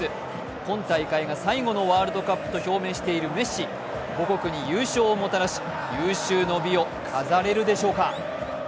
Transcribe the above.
今大会が最後のワールドカップと表明しているメッシ、母国の優勝をもたらし、有終の美を飾れるでしょうか。